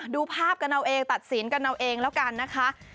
ดูภาพกันเอาเองตัดสินกันเอาเองแล้วกันนะคะ